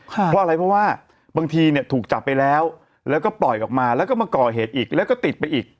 เพราะอะไรเพราะว่าบางทีเนี่ยถูกจับไปแล้วแล้วก็ปล่อยออกมาแล้วก็มาก่อเหตุอีกแล้วก็ติดไปอีก